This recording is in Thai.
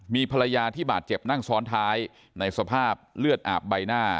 มีภรรยาที่บาดเจ็บนั่งซ้อนท้ายในสภาพเลือดอาบใบหน้า